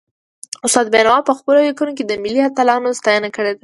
استاد بينوا په پخپلو ليکنو کي د ملي اتلانو ستاینه کړې ده.